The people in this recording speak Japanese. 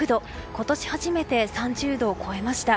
今年初めて３０度を超えました。